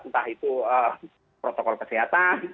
entah itu protokol kesehatan